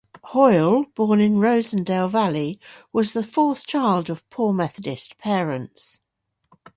Hoyle born in Rossendale Valley was the fourth child of poor Methodist parents.